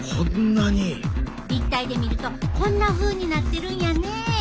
立体で見るとこんなふうになってるんやね。